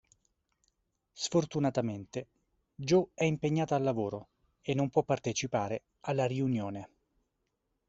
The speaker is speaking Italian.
Sfortunatamente, Jo è impegnata al lavoro e non può partecipare alla riunione.